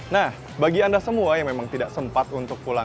nah bagi anda semua yang memang tidak sempat untuk pulang